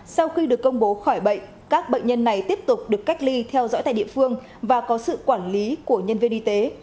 sau khi được công bố khỏi bệnh các bệnh nhân này tiếp tục được cách ly theo dõi tại địa phương và có sự quản lý của nhân viên y tế